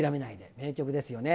名曲ですよね。